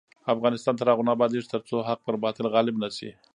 افغانستان تر هغو نه ابادیږي، ترڅو حق پر باطل غالب نشي.